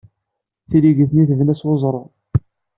Tileggit-nni tebna s weẓru.